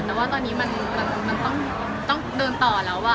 แต่ว่าตอนนี้มันต้องเดินต่อแล้ว